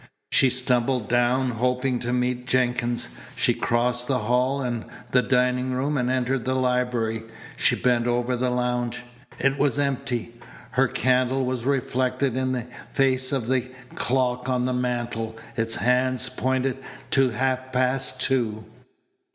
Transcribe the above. She stumbled down, hoping to meet Jenkins. She crossed the hall and the dining room and entered the library. She bent over the lounge. It was empty. Her candle was reflected in the face of the clock on the mantel. Its hands pointed to half past two.